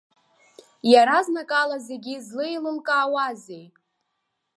Иаразнакала зегьы злеиликаауазеи.